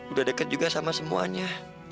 udah dekat juga sama semuanya